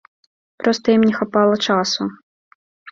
Проста ім не хапала часу.